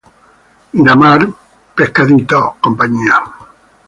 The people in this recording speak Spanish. Miramar Fish, Inc.